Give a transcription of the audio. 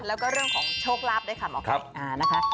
แล้วก็เรื่องของโชคลาภด้วยค่ะหมอไก่นะคะ